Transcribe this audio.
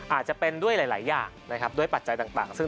อาจจะเป็นด้วยหลายอย่างนะครับด้วยปัจจัยต่างซึ่ง